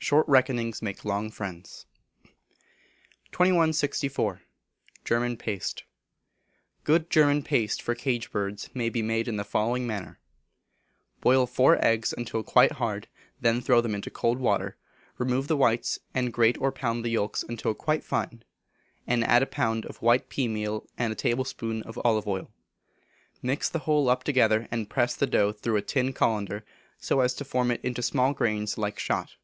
[SHORT RECKONINGS MAKE LONG FRIENDS.] 2164. German Paste. Good German paste for cage birds may be made in the following manner: Boil four eggs until quite hard, then throw them into cold water; remove the whites and grate or pound the yolks until quite | fine, and add a pound of white pea meal and a tablespoonful of olive oil. Mix the whole up together, and press the dough through a tin cullender so as to form it into small grains like shot.